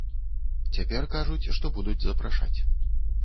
Цяпер кажуць, што будуць запрашаць.